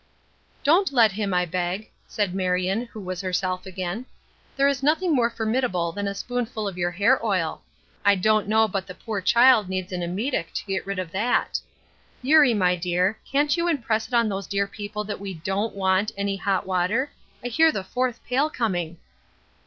"Don't let him, I beg," said Marion, who was herself again. "There is nothing more formidable than a spoonful of your hair oil. I don't know but the poor child needs an emetic to get rid of that. Eurie, my dear, can't you impress it on those dear people that we don't want any hot water? I hear the fourth pail coming."